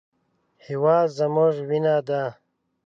هېواد زموږ وینه ده